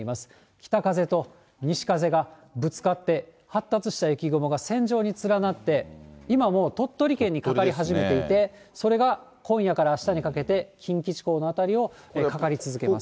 北風と西風がぶつかって、発達した雪雲が線状に連なって、今もう鳥取県にかかり始めていて、それが今夜からあしたにかけて、近畿地方の辺りをかかり続けます。